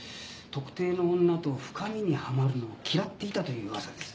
特定の女と深みにはまるのを嫌っていたという噂です。